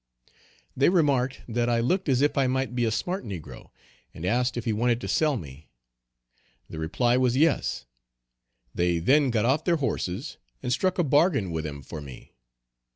They remarked that I looked as if I might be a smart negro, and asked if he wanted to sell me. The reply was, yes. They then got off their horses and struck a bargain with him for me.